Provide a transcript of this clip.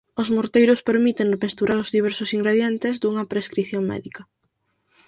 Os morteiros permiten mesturar os diversos ingredientes dunha prescrición médica.